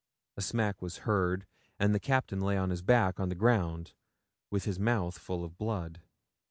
A smack was heard, and the Captain lay on his back on the ground, with his mouth full of blood.